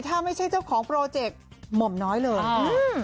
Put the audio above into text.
ถ้าไม่ใช่เจ้าของโปรเจกต์หม่อมน้อยเลยอืม